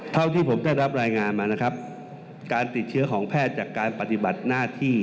เท่าที่ผมได้รับรายงานมานะครับการติดเชื้อของแพทย์จากการปฏิบัติหน้าที่